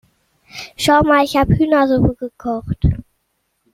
Schau mal, ich habe Hühnersuppe gekocht.